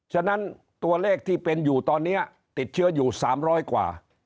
ฉะนั้นตัวเลขที่เป็นอยู่ตอนนี้ติดเชื้ออยู่๓๐๐กว่า